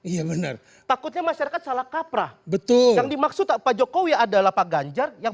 iya benar takutnya masyarakat salah kaprah betul yang dimaksud pak jokowi adalah pak ganjar yang